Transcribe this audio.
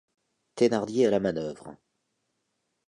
Thénardier à la manœuvre